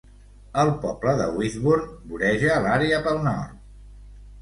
El poble de Whitburn voreja l'àrea pel nord.